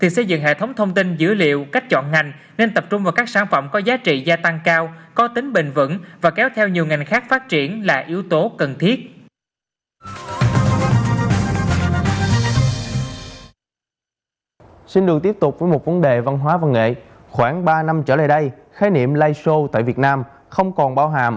show tại việt nam không còn bao hàm